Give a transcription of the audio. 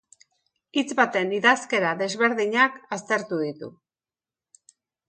Hitz baten idazkera desberdinak aztertu ditu.